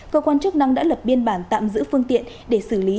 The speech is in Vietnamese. cơ quan chức năng đã lập biên bản tạm giữ phương tiện để xử lý